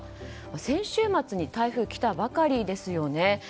先週末に台風が来たばかりですよね。